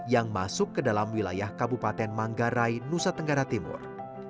yang masuk ke dalam wilayah kabupaten manggarai nusa tenggara timur